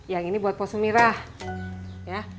yang ini buat pak sumirah